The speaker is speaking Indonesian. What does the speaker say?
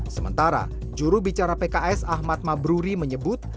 sementara juru bicara pks ahmad mabruri menyebut